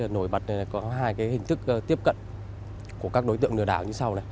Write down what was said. nổi bật có hai hình thức tiếp cận của các đối tượng lừa đảo như sau